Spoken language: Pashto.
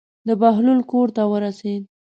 د بهلول کور ته ورسېد.